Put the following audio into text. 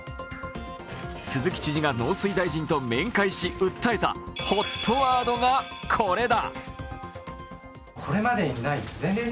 鈴木知事が農水大臣と面会し、訴えたＨＯＴワードがこれだ！